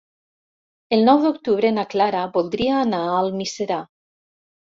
El nou d'octubre na Clara voldria anar a Almiserà.